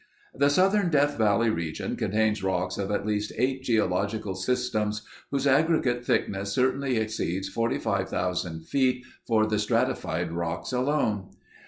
"The southern Death Valley region contains rocks of at least eight geologic systems whose aggregate thickness certainly exceeds 45,000 feet for the stratified rocks alone."